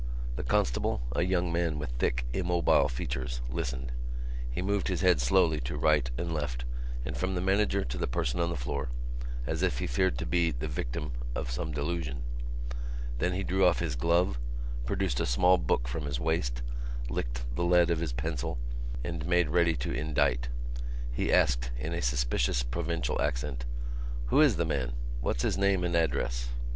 The constable, a young man with thick immobile features, listened. He moved his head slowly to right and left and from the manager to the person on the floor, as if he feared to be the victim of some delusion. Then he drew off his glove, produced a small book from his waist, licked the lead of his pencil and made ready to indite. He asked in a suspicious provincial accent: "Who is the man? What's his name and address?"